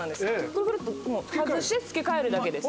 クルクルっと外して付け替えるだけです。